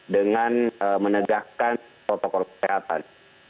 dengan menegakkan protokol kesehatan